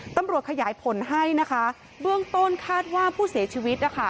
ตำรวจขยายผลให้นะคะเบื้องต้นคาดว่าผู้เสียชีวิตนะคะ